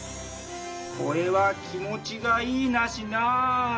これはきもちがいいナシなあ。